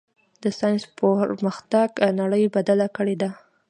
د ساینس پرمختګ نړۍ بدله کړې ده.